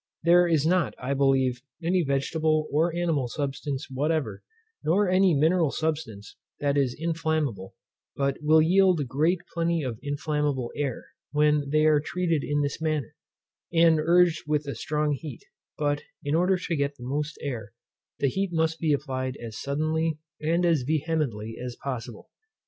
There is not, I believe, any vegetable or animal substance whatever, nor any mineral substance, that is inflammable, but what will yield great plenty of inflammable air, when they are treated in this manner, and urged with a strong heat; but, in order to get the most air, the heat must be applied as suddenly, and as vehemently, as possible.